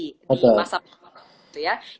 di masa panjang